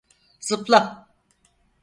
Zıpla!